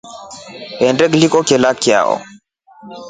Nnde kliko chelya chao.